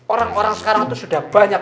orang orang sekarang itu sudah banyak